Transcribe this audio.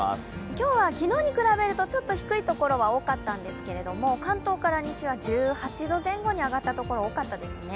今日は昨日に比べるとちょっと低いところが多かったんですが、関東から西は１８度前後に上がったところが多かったですね。